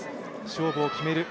勝負を決める